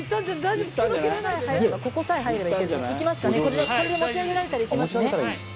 これで持ち上げられたらいけますね。